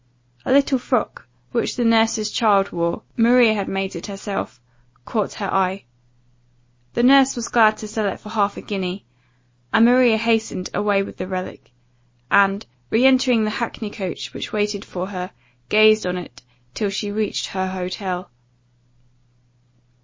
A little frock which the nurse's child wore (Maria had made it herself) caught her eye. The nurse was glad to sell it for half a guinea, and Maria hastened away with the relic, and, reentering the hackney coach which waited for her, gazed on it, till she reached her hotel.